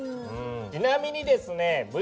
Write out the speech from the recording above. ちなみにですね